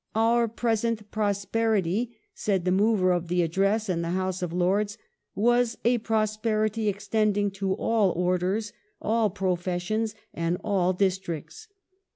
" Our present prosperity," said the mover of the Address in the House of Lords, " was a prosperity extending to all orders, all professions, and all districts."